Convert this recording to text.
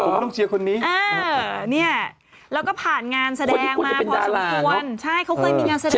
ผมต้องเชียร์คนนี้นี่แล้วก็ผ่านงานแสดงมาพอส่วนใช่เค้าเคยมีงานแสดงด้วย